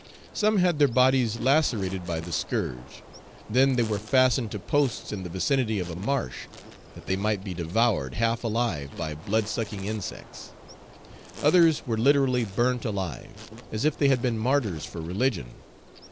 Some had their bodies lacerated by the scourge; then they were fastened to posts in the vicinity of a marsh, that they might be devoured, half alive, by blood sucking insects. Others were literally burnt alive, as if they had been martyrs for religion.